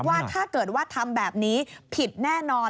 ว่าถ้าเกิดว่าทำแบบนี้ผิดแน่นอน